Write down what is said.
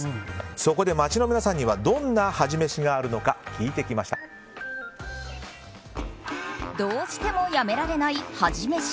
そこで街の皆さんにはどんな恥飯があるのかどうしてもやめられない恥飯。